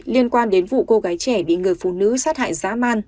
liên quan đến vụ cô gái trẻ bị người phụ nữ sát hại dã man